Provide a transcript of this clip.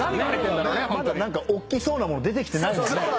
まだ何か大きそうなもの出てきてないですね。